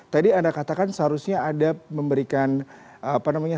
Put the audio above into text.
tadi anda katakan seharusnya ada memberikan apa namanya